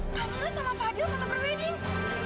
kamila sama fadil foto per wedding